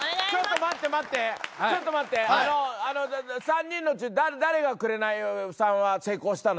待って待ってちょっと待ってあの３人のうち誰が「紅」さんは成功したの？